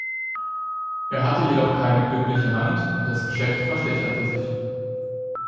Er hatte jedoch keine glückliche Hand, und das Geschäft verschlechterte sich.